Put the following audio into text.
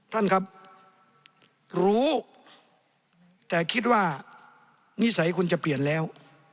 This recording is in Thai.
ท่านครับรู้แต่คิดว่านิสัยคุณจะเปลี่ยนแล้ว